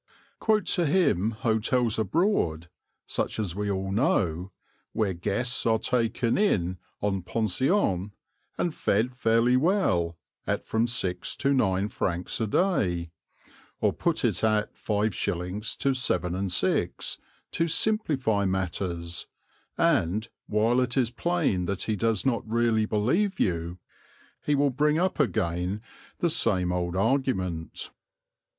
Quote to him hotels abroad, such as we all know, where guests are taken in en pension, and fed fairly well, at from six to nine francs a day, or put it at 5s. to 7s. 6d. to simplify matters, and, while it is plain that he does not really believe you, he will bring up again the same old argument.